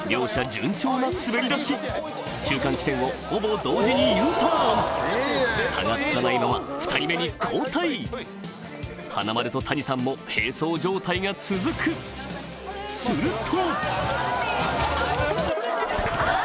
順調な滑り出し中間地点をほぼ同時にＵターン差がつかないまま２人目に交代華丸と谷さんも並走状態が続くすると！